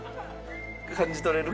感じ取れる？